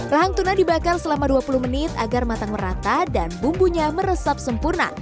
rahang tuna dibakar selama dua puluh menit agar matang merata dan bumbunya meresap sempurna